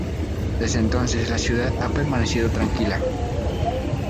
Desde entonces, la ciudad ha permanecido tranquila.